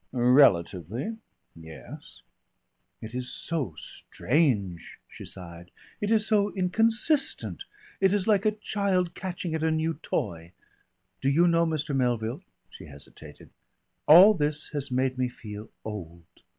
"Relatively yes." "It is so strange," she sighed. "It is so inconsistent. It is like a child catching at a new toy. Do you know, Mr. Melville" she hesitated "all this has made me feel old.